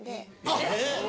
あっ。